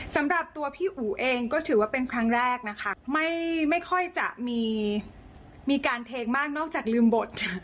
สำหรับตัวพี่อู๋เองก็ถือว่าเป็นครั้งแรกนะคะไม่ค่อยจะมีการเทมากนอกจากลืมบทค่ะ